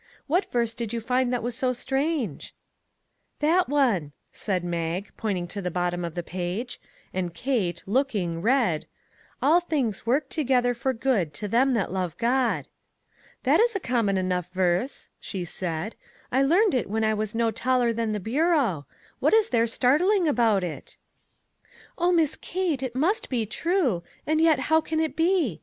What verse did you find that was so strange ?"" That one," said Mag, pointing to the bot tom of the page, and Kate, looking, read :" All things work together for good to them that love God." " That is a common enough verse," she said ;" I learned it when I was no taller than the bureau. What is there startling about it?" " Oh, Miss Kate ! it must be true ; and yet how can it be?